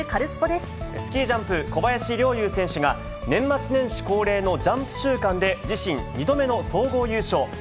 スキージャンプ、小林陵侑選手が年末年始恒例のジャンプ週間で、自身２度目の総合優勝。